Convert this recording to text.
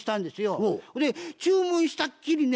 注文したっきりね